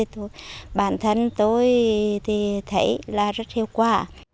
thì bản thân tôi thì thấy là rất hiệu quả